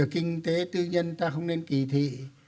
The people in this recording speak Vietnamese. kinh tế tư nhân ta không nên kỳ thị